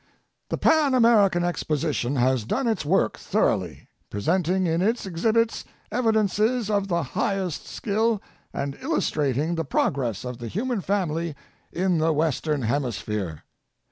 The Pan American Exposition has done its work thoroughly; presenting in its exhibits evidences of the highest skill and illustrating the progress of the human family in the Western Hemisphere.